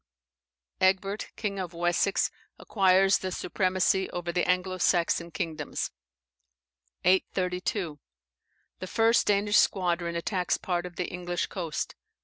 Egbert, king of Wessex, acquires the supremacy over the Anglo Saxon kingdoms. 832. The first Danish squadron attacks part of the English coast.